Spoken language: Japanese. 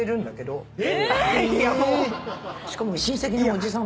「しかも」